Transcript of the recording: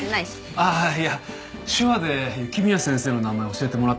ああいや手話で雪宮先生の名前を教えてもらってたんです。